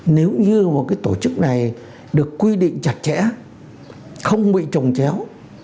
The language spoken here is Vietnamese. nếu như một cái tổ chức này được quy định chặt chẽ không bị trồng chéo